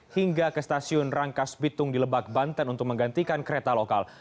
hingga ke stasiun rangkas bitung di lebak banten untuk menggantikan kereta lokal